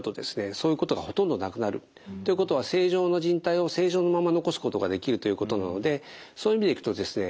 そういうことがほとんどなくなるということは正常なじん帯を正常なまま残すことができるということなのでそういう意味でいくとですね